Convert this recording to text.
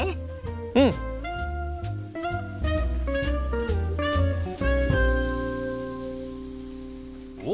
うん！おっ！